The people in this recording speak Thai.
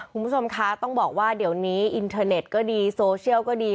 คุณผู้ชมคะต้องบอกว่าเดี๋ยวนี้อินเทอร์เน็ตก็ดีโซเชียลก็ดี